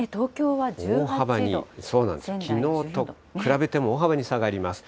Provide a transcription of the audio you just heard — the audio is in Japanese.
大幅に、きのうと比べても大幅に下がります。